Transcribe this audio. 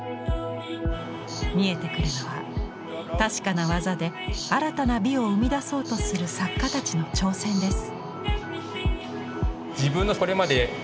見えてくるのは確かな技で新たな美を生み出そうとする作家たちの挑戦です。